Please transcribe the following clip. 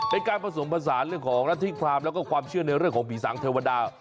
เป็นการผสมผสานเรื่องของรัฐธิความแล้วก็ความเชื่อในเรื่องของผีสางเทวดา